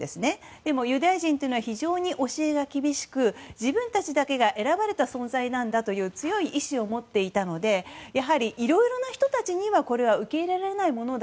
でもユダヤ人というのは非常に教えが厳しく自分たちだけが選ばれた存在なんだという強い意志を持っていたのでやはり、いろいろな人たちには受け入れられないものだ。